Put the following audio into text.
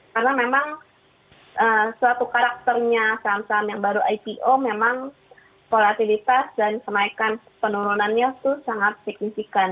karena memang suatu karakternya saham saham yang baru ipo memang korektivitas dan kenaikan penurunannya itu sangat signifikan